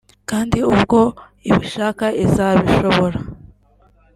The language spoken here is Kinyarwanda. kandi ubwo ibishaka izabishobora